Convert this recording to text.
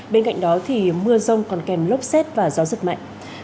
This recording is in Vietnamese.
bên cạnh đó thì mưa rông còn kèm lốc xét và gió giật mạnh